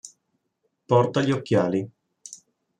Porta gli occhiali.